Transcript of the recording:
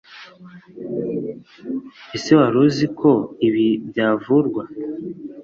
Ese wari uzi ko ibi byavurwa